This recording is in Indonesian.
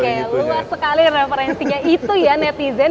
lupa sekali referensinya itu ya netizen